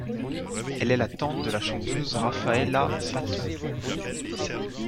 Elle est la tante de la chanteuse Raffaëla Paton.